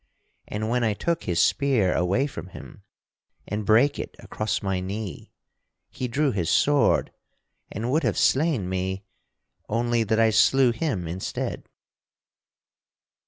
And when I took his spear away from him, and brake it across my knee, he drew his sword and would have slain me, only that I slew him instead."